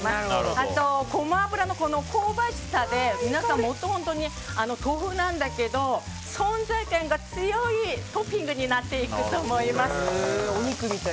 あとゴマ油の香ばしさで豆腐なんだけど、存在感が強いトッピングになっていくと思います。